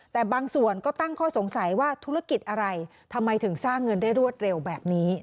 แต่บางส่วนก็ตั้งข้อสงสัยว่าธุรกิจอะไรทำไมถึงสร้างเงินได้รวดเร็วแบบนี้